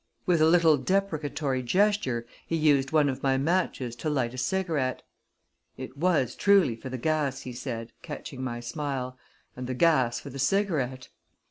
With a little deprecatory gesture, he used one of my matches to light a cigarette. "It was truly for the gas," he said, catching my smile; "and the gas for the cigarette!"